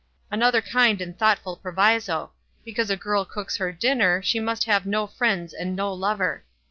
"Another kind and thoughtful proviso. Be cause a girl cooks her dinner, she must have no friends and no lover."